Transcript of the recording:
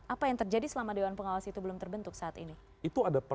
apa yang terjadi selama dewan pengawas itu belum terbentuk saat ini